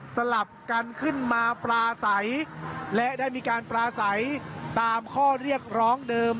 สลับกันขึ้นมาปลาใสและได้มีการปลาใสตามข้อเรียกร้องเดิม